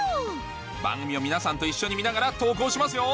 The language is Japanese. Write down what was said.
番組を皆さんと一緒に見ながら投稿しますよ！